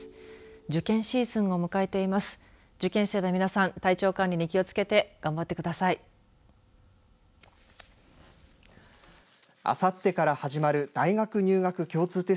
受験シーズンを迎えています。